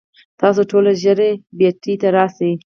تاسو ټول ژر بیړۍ ته راشئ.